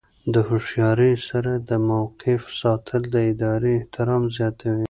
د هوښیارۍ سره د موقف ساتل د ادارې احترام زیاتوي.